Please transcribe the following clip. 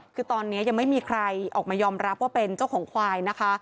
คือตอนนี้ยังไม่มีใครออกมายอมรับว่าเป็นเจ้าของควายนะคะ